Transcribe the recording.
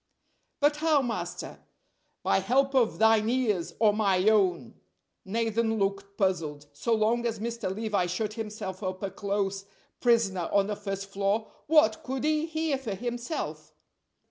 "But how, master?" "By help of thine ears, or my own!" Nathan looked puzzled. So long as Mr. Levi shut himself up a close prisoner on the first floor what could he hear for himself?